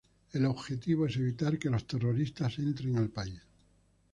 El objetivo es evitar que los terroristas entren al país.